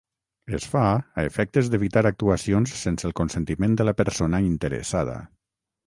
Es fa a efectes d'evitar actuacions sense el consentiment de la persona interessada.